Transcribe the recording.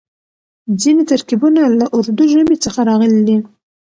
ځينې ترکيبونه له اردو ژبې څخه راغلي دي.